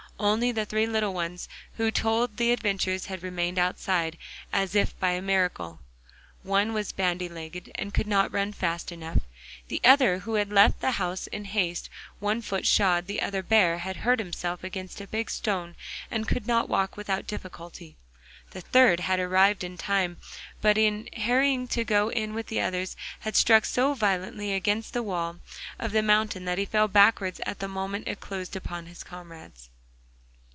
Only the three little ones who told the adventure had remained outside, as if by a miracle. One was bandy legged and could not run fast enough; the other, who had left the house in haste, one foot shod the other bare, had hurt himself against a big stone and could not walk without difficulty; the third had arrived in time, but in harrying to go in with the others had struck so violently against the wall of the mountain that he fell backwards at the moment it closed upon his comrades.